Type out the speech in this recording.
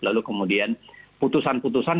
lalu kemudian putusan putusan